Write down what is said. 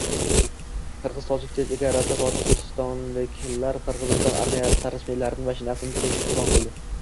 Qirg‘iz-tojik chegarasida tojikistonliklar Qirg‘iziston rasmiylarining mashinasini toshbo‘ron qildi